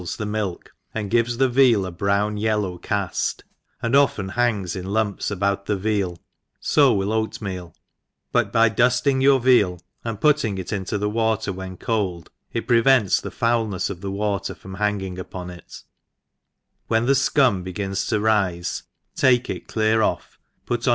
gS the milky and gives the veal a brown yellovsF caft, and often hanga it lumps abgut the veal, fo will oatmeal, but by dufting your veal, and putting it into the WAter when cold, it prevents die fouloefs of the water from hanging upon it ; when the fcum begins to rife, tak^ it clear pff, put on.